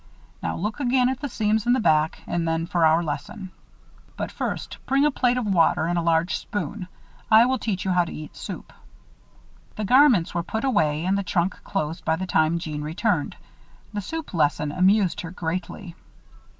Now look again at the seams in the back and then for our lesson. But first bring a plate of water and a large spoon. I will teach you how to eat soup." The garments were put away and the trunk closed by the time Jeanne returned. The soup lesson amused her greatly.